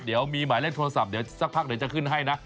เดี๋ยวมีหมายเลขโทรศัพท์เดี๋ยวสักพักเดี๋ยวจะขึ้นให้นะ